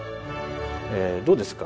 えどうですか？